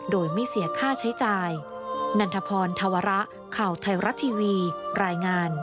โดยไม่เสียค่าใช้จ่าย